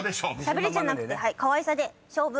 しゃべりじゃなくてかわいさで勝負。